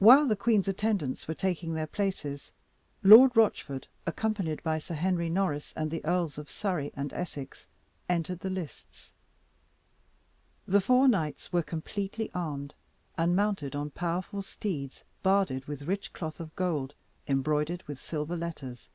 While the queen's attendants were taking their places, Lord Rochford, accompanied by Sir Henry Norris and the Earls of Surrey and Essex, entered the lists. The four knights were completely armed, and mounted on powerful steeds barded with rich cloth of gold, embroidered with silver letters.